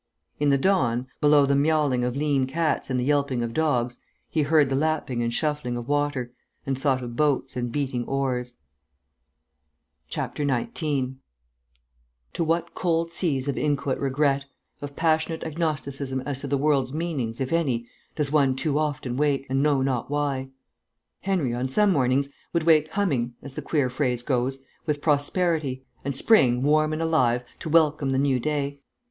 In the dawn, below the miawling of lean cats and the yelping of dogs, he heard the lapping and shuffling of water, and thought of boats and beating oars. 19 To what cold seas of inchoate regret, of passionate agnosticism as to the world's meanings, if any, does one too often wake, and know not why! Henry, on some mornings, would wake humming (as the queer phrase goes) with prosperity, and spring, warm and alive, to welcome the new day.